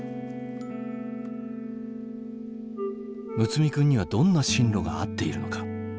睦弥君にはどんな進路が合っているのか。